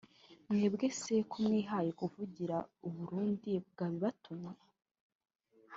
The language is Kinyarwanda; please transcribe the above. Mwebwe se ko mwihaye kuvugira u Burundi bwabibatumye